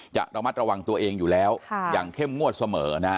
จะระมัดระวังตัวเองอยู่แล้วอย่างเข้มงวดเสมอนะฮะ